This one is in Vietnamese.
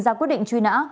ra quyết định truy nã